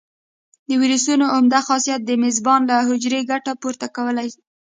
د ویروسونو عمده خاصیت د میزبان له حجرې ګټه پورته کول دي.